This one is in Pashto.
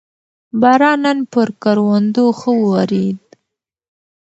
باران نن پر کروندو ښه ورېد